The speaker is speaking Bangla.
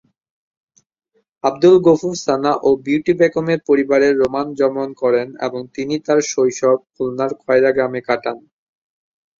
আবদুল গফুর সানা ও বিউটি বেগমের পরিবারে রোমান জন্মগ্রহণ করেন এবং তিনি তার শৈশব খুলনার কয়রা গ্রামে কাটান।